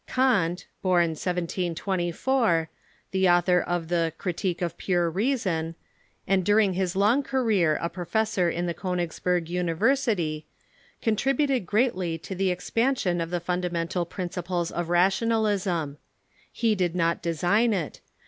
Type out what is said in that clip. Kant, born 1724, the author of the "Cri tique of Pure Reason," and during his long career a professor in the Konigsberg University, contributed greatly to the ex pansion of the fundamental principles of Rationalism. He did not design it.